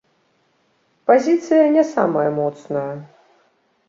Пазіцыя не самая моцная.